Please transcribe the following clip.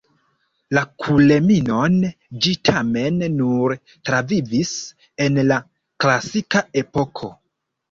La kulminon ĝi tamen nur travivis en la klasika Epoko.